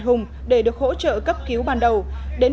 trung tâm phối hợp tìm kiếm cứu nạn hàng hải việt nam